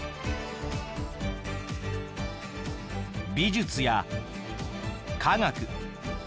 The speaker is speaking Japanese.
美術や科学。